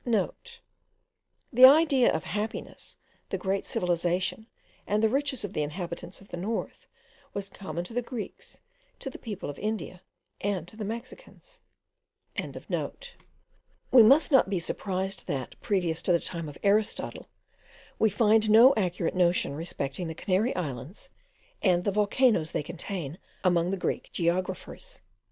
*(* The idea of the happiness, the great civilization, and the riches of the inhabitants of the north, was common to the Greeks, to the people of India, and to the Mexicans.) We must not be surprised that, previous to the time of Aristotle, we find no accurate notion respecting the Canary Islands and the volcanoes they contain, among the Greek geographers.